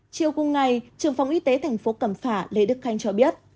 chiều cuối ngày trường phòng y tế thành phố cầm phả lê đức khanh cho biết